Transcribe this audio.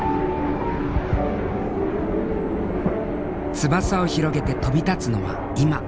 翼を広げて飛び立つのは「今」。